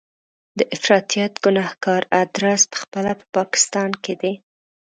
د افراطیت ګنهګار ادرس په خپله په پاکستان کې دی.